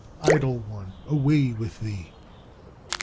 Idle one, away with thee!